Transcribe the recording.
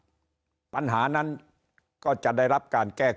สวัสดีครับท่านผู้ชมครับสวัสดีครับท่านผู้ชมครับ